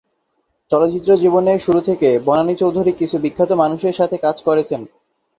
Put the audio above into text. চলচ্চিত্র জীবনের শুরু থেকে বনানী চৌধুরী কিছু বিখ্যাত মানুষের সাথে কাজ করেছেন।